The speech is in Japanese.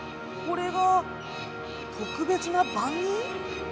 これが特別な番人？